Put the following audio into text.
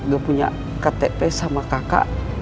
gue punya ktp sama kakak